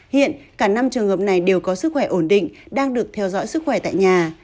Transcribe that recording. hiện cả năm trường hợp này đều có sức khỏe ổn định đang được theo dõi sức khỏe tại nhà